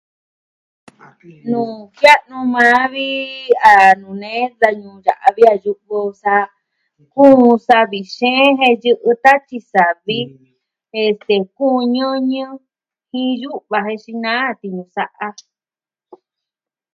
Nuu jia'nu maa vi a nuu nee yutun sa kuun savi xeen jen yɨ'ɨ tatyi savi, este, kuun ñɨñɨ jen yu'va jen naa tiñu sa'a.